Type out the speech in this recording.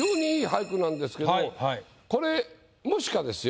いやこれもしかですよ。